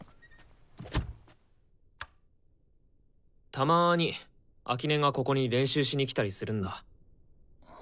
たまに秋音がここに練習しに来たりするんだ。